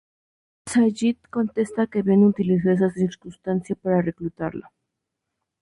Sayid contesta que Ben utilizó esa circunstancia para reclutarlo.